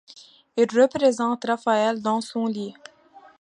Il représente Raphaël dans son lit.